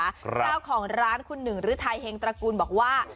เจ้าของร้านคุณหนึ่งฤทัยเฮงตระกูลบอกว่า